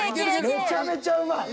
めちゃめちゃうまい。